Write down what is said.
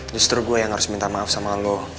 justru gue yang harus minta maaf sama lo